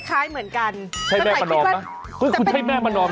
คล้ายเหมือนกันคุณใช่แม่ประนอมนะอันนี้แม่ประนี